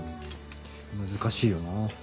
難しいよな。